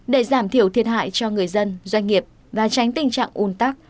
để giảm thiểu thiệt hại cho người dân doanh nghiệp và tránh tình trạng un tắc